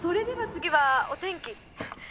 次はお天気。